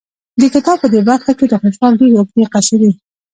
د کتاب په دې برخه کې د خوشحال ډېرې اوږې قصیدې